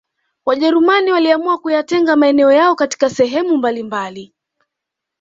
Wajerumani waliamua kuyatenga maeneo yao katika sehemu mbalimabali